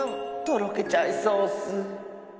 とろけちゃいそうッス。